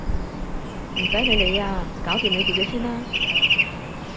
唔使你理啊！搞掂你自己先啦！